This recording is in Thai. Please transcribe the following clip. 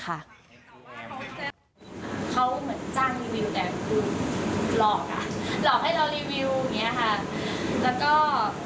เขาเหมือนจ้างรีวิวแต่คือหลอกค่ะ